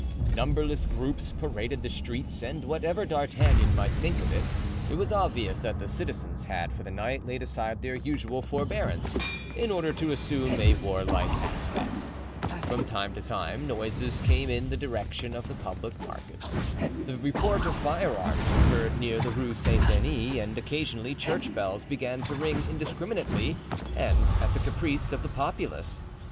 Numberless groups paraded the streets and, whatever D'Artagnan might think of it, it was obvious that the citizens had for the night laid aside their usual forbearance, in order to assume a warlike aspect. From time to time noises came in the direction of the public markets. The report of firearms was heard near the Rue Saint Denis and occasionally church bells began to ring indiscriminately and at the caprice of the populace.